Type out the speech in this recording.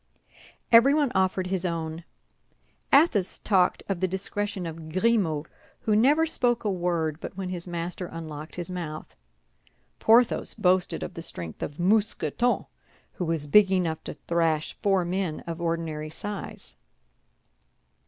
Everyone offered his own. Athos talked of the discretion of Grimaud, who never spoke a word but when his master unlocked his mouth. Porthos boasted of the strength of Mousqueton, who was big enough to thrash four men of ordinary size.